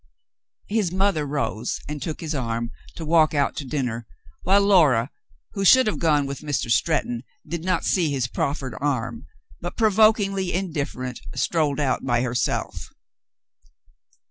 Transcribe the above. His mother rose and took his arm to walk out to dinner, while Laura, who should have gone with Mr. Stretton, did not see his proffered arm, but, provokingly indifferent, strolled out by herself.